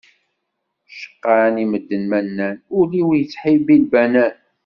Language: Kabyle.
Cqan-i medden ma nnan, ul-iw yettḥibbi lbanan.